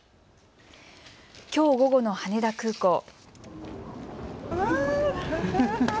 きょう午後の羽田空港。